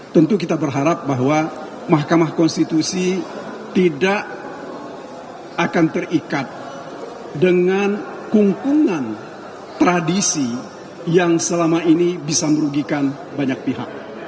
tentu kita berharap bahwa mahkamah konstitusi tidak akan terikat dengan kungkungan tradisi yang selama ini bisa merugikan banyak pihak